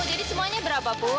jadi semuanya berapa bu